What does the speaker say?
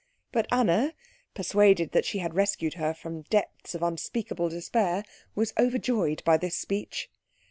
But Anna, persuaded that she had rescued her from depths of unspeakable despair, was overjoyed by this speech.